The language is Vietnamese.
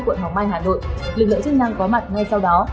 quận hoàng mai hà nội lực lượng chức năng có mặt ngay sau đó